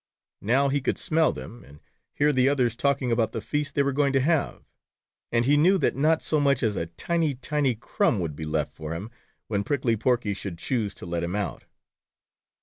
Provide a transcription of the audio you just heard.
Now, he could smell them, and hear the others talking about the feast they were going to have, and he knew that not so much as a tiny, tiny crumb would be left for him, when Prickly Porky should choose to let him out.